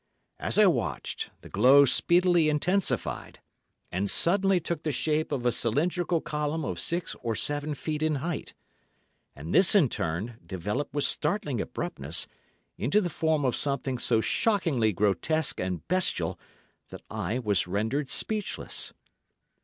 As I watched, the glow speedily intensified, and suddenly took the shape of a cylindrical column of six or seven feet in height, and this in turn developed with startling abruptness into the form of something so shockingly grotesque and bestial that I was rendered speechless.